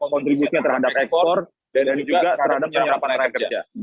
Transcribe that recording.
kontribusinya terhadap ekspor dan juga terhadap penyerapan rakyat kerja